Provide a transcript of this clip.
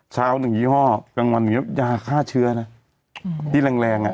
หนึ่งยี่ห้อกลางวันอย่างนี้ยาฆ่าเชื้อนะที่แรงแรงอ่ะ